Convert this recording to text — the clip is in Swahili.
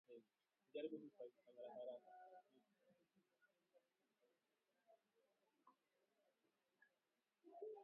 Salamu za pongezi zatolewa na viongozi mbalimbali kwa Rais Mteule wa Kenya William Ruto